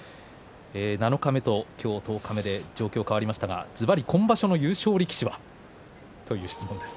七日目と今日、十日目で状況が変わりましたがずばり今場所の優勝力士は？という質問です。